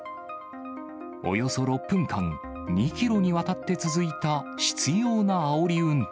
およそ６分間、２キロにわたって続いた執ようなあおり運転。